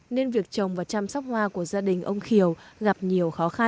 nên việc trồng và chăm sóc hoa của gia đình ông kiều gặp nhiều khó khăn